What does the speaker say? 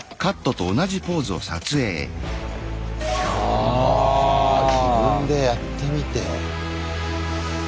あ自分でやってみて。